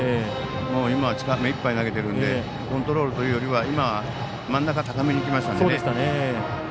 今は力いっぱい投げてるのでコントロールというよりは今、真ん中高めにいきましたんで。